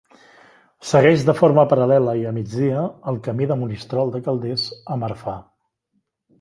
Segueix de forma paral·lela i a migdia el Camí de Monistrol de Calders a Marfà.